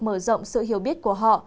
mở rộng sự hiểu biết của họ